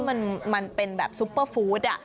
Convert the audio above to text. มันเป็นแบบซุปเปอร์ฟู้ด